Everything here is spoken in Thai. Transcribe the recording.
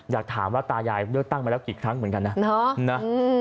อยากถามว่าตายายเลือกตั้งมาแล้วกี่ครั้งเหมือนกันนะ